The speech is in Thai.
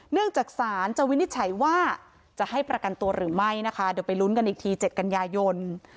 เนื่องจากศาลจะวินิจฉัยว่าจะให้ประกันตัวหรือไม่นะคะเดี๋ยวไปลุ้นกันอีกที๗กันยายน